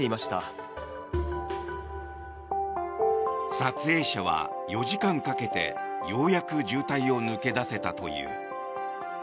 撮影者は４時間かけてようやく渋滞を抜け出せたという。